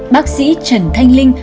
bác sĩ trần thanh linh